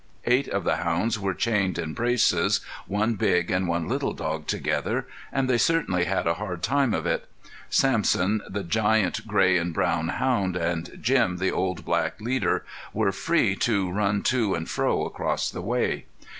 Eight of the hounds were chained in braces, one big and one little dog together, and they certainly had a hard time of it. Sampson, the giant gray and brown hound, and Jim, the old black leader, were free to run to and fro across the way.